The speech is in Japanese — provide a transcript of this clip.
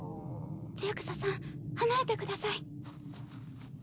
ツユクサさん離れてください。